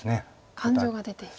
感情が出ている。